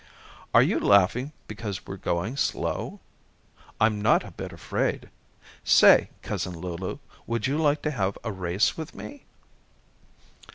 "Are you laughing because we're going slow? I'm not a bit afraid. Say, Cousin Lulu, would you like to have a race with me?"